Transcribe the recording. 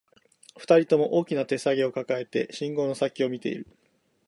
二人とも、大きな手提げを抱えて、信号の先を見ている